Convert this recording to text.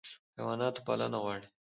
حیوانات پالنه غواړي.